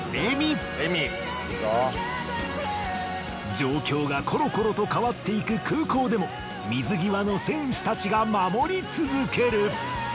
状況がコロコロと変わっていく空港でも水際の戦士たちが守り続ける！